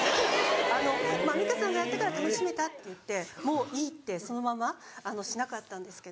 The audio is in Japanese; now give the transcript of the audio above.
「美香さんがやったから楽しめた」って言って「もういい」ってそのまましなかったんですけど。